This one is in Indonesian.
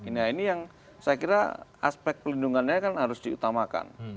nah ini yang saya kira aspek pelindungannya kan harus diutamakan